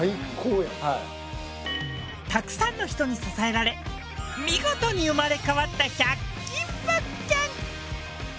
たくさんの人に支えられ見事に生まれ変わった１００均物件！